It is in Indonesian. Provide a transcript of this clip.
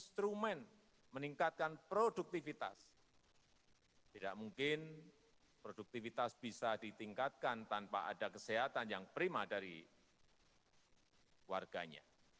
selanjutnya kita akan menantikan